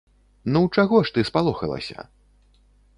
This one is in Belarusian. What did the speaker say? Ну, чаго ж ты спалохалася?